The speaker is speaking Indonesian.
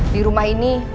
di rumah ini